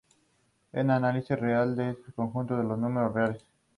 Compite directamente con Max Up.